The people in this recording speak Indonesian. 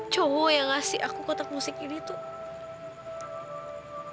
cowok yang ngasih aku kotak musik ini tuh